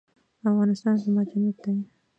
افغانستان زما جنت دی